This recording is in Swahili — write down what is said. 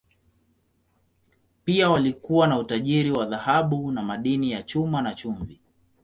Pia walikuwa na utajiri wa dhahabu na madini ya chuma, na chumvi.